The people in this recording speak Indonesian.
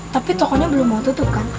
tapi tokonya belum mau tutup kan